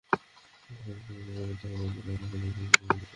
হয় মুসায়লামা পরাজিত হবে, অন্যথায় আল্লাহর সান্নিধ্যে গিয়ে মিলিত হব।